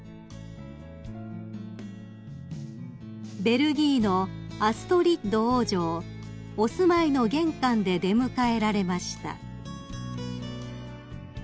［ベルギーのアストリッド王女をお住まいの玄関で出迎えられました］